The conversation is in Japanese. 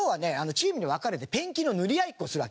チームに分かれてペンキの塗り合いっこするわけ。